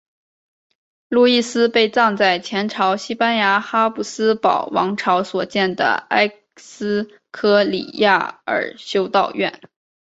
路易斯被葬在前朝西班牙哈布斯堡王朝所建的埃斯科里亚尔修道院。